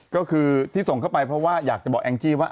ก็คือที่ส่งเข้าไปเพราะว่าอยากจะบอกแองจี้ว่า